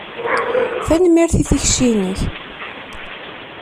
Tanemmirt i tikci-inek.